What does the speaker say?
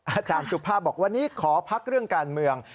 อาจารย์สุภาพบอกวันนี้ขอพักเรื่องการเมือง